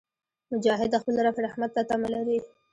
مجاهد د خپل رب رحمت ته تمه لري.